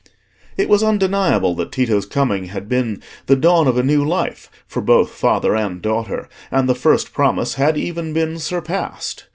It was undeniable that Tito's coming had been the dawn of a new life for both father and daughter, and the first promise had even been surpassed.